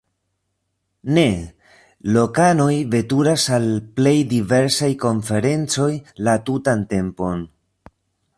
Ne, lokanoj veturas al plej diversaj konferencoj la tutan tempon.